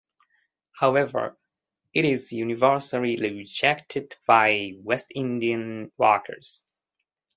However, it is universally rejected by West Indian workers.